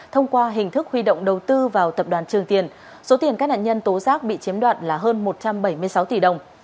thông qua hình thức huy động đầu tư vào tập đoàn trường tiền số tiền các nạn nhân tố giác bị chiếm đoạt là hơn một trăm bảy mươi sáu tỷ đồng